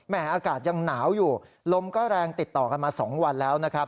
อากาศยังหนาวอยู่ลมก็แรงติดต่อกันมา๒วันแล้วนะครับ